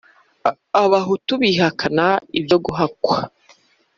abahutu bihakana ibyo guhakwa